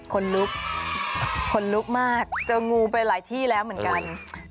คนลุกคนลุกมากเจองูไปหลายที่แล้วเหมือนกัน